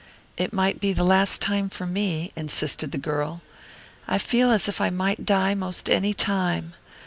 "It might be the last time for me," insisted the girl. "I feel as if I might die most any time.